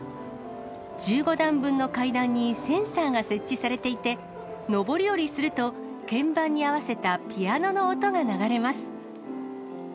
１５段分の階段にセンサーが設置されていて、上り下りすると、鍵盤に合わせたピアノの音が流れます。